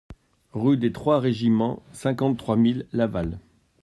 Rue des Trois Régiments, cinquante-trois mille Laval